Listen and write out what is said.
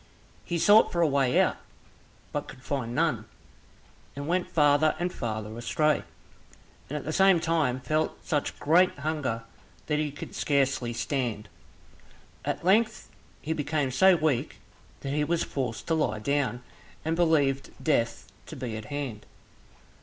He sought for a way out, but could find none, and went farther and farther astray, and at the same time felt such great hunger that he could scarcely stand. At length he became so weak that he was forced to lie down, and he believed death to be at hand.